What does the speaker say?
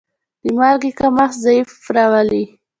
د مالګې کمښت ضعف راولي.